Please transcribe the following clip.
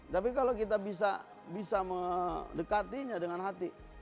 tapi kalau kita bisa mendekatinya dengan hati